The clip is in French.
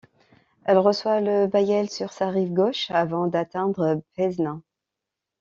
Elle reçoit le Bayèle sur sa rive gauche avant d'atteindre Pézenas.